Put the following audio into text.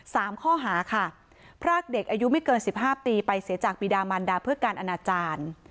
สามข้อหาค่ะพรากเด็กอายุไม่เกินสิบห้าปีไปเสียจากปีดามันดาเพื่อการอนาจารย์